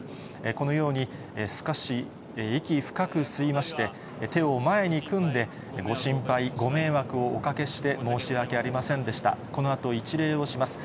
このように、少し息深く吸いまして、手を前に組んで、ご心配、ご迷惑をおかけして申し訳ありませんでした、このあと一礼をします。